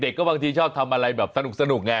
เด็กก็บางทีชอบทำอะไรแบบสนุกเนี่ย